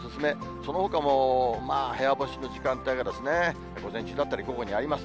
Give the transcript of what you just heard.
そのほかもまあ、部屋干しの時間帯が午前中だったり午後にあります。